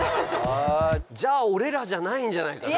じゃあ俺らじゃないんじゃないかな。